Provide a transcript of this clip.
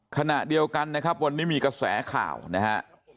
ขณะเดียวกันนะครับวันนี้มีกระแสข่าวนะฮะ